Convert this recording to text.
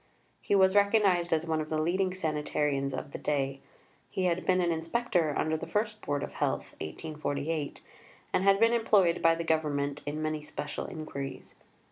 He was recognized as one of the leading sanitarians of the day. He had been an Inspector under the first Board of Health (1848), and had been employed by the Government in many special inquiries.